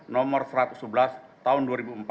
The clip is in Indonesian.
nomor satu ratus sebelas tahun dua ribu empat